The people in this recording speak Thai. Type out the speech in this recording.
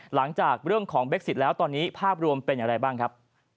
หลังจากเรื่องของเบ็กซิตแล้วตอนนี้ภาพรวมเป็นอย่างไรบ้างครับ